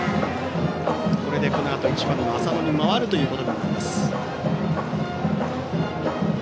これで、このあと１番の浅野に回ることになります。